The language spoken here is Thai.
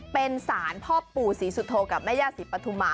เป็นสารพ่อปู่ศรีสุโธกับแม่ย่าศรีปฐุมา